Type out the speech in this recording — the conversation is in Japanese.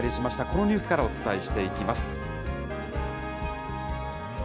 このニュースからお伝えしていきます。